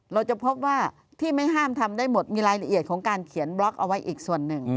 เราจะพบว่าที่ไม่ห้ามทำได้หมดมีรายละเอียดของการเขียนบล็อกเอาไว้อีกส่วนหนึ่ง